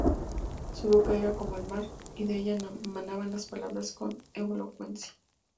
Su boca era ""como el mar"" y de ella emanaban las palabras con elocuencia.